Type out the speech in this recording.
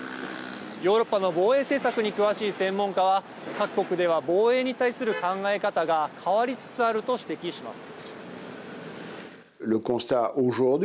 ヨーロッパの防衛政策に詳しい専門家は各国では防衛に対する考え方が変わりつつあると指摘します。